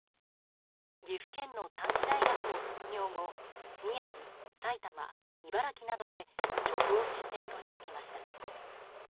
岐阜県の短期大学を卒業後宮城、埼玉、茨城などで職を転々としてきました。